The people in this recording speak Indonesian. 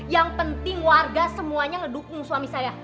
yang penting warga semuanya ngedukung suami saya